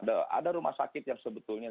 ada rumah sakit yang sebetulnya